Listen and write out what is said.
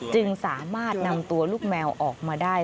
จึงสามารถนำตัวลูกแมวออกมาได้